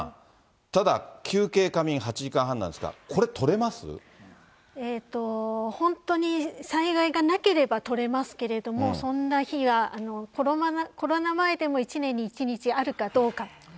ただ、休憩、仮眠、８時間半なんですが、これ、本当に災害がなければ取れますけれども、そんな日が、コロナ前でも、１年に１日あるかどうかっていう。